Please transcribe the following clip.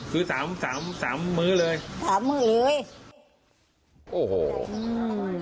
ซื้อสามสามมื้อเลยสามมื้อเลยโอ้โหอืม